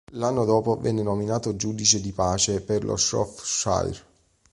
L'anno dopo venne nominato giudice di pace per lo Shropshire.